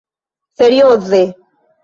serioze